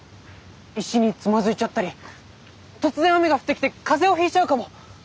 石につまずいちゃったり突然雨が降ってきて風邪をひいちゃうかも。